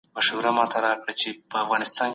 تاسي تل د خپلو همکارانو درناوی کوئ.